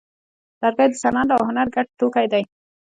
لرګی د صنعت او هنر ګډ توکی دی.